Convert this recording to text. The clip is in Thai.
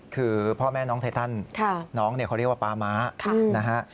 คือพ่อแม่น้องไทตันน้องเนี่ยเขาเรียกว่าป๊าม้านะฮะ